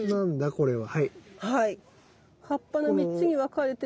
これは。